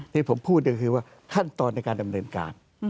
ที่ผมพูดก็คือว่าขั้นตอนในการดำเนินการ